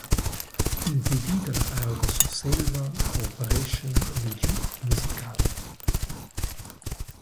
Impedi dalla Argo Surselva coopereschan el giug musical.